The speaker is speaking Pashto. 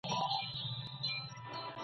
د توپان هیبت وحشت وو راوستلی ..